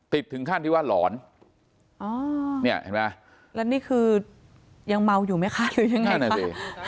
ติดถึงขั้นที่ว่าหลอนนี่เห็นไหมแล้วนี่คือยังเมาอยู่ไหมคะหรือยังไง